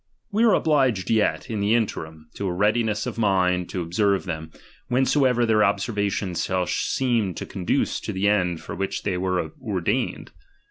We are obliged yet, in the interim, to a readiness of mind to observe thera, whensoever I their observation shall seem to conduce to the end for which they were ordained.